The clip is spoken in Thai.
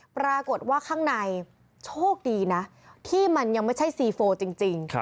ปรากฏว่าข้างในโชคดีนะที่มันยังไม่ใช่ซีโฟจริง